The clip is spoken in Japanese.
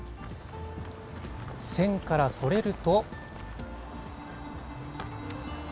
線からそれると。。